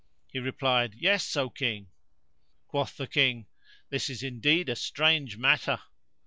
He replied, "Yes, O King!" Quoth the King, "This is indeed a strange matter!"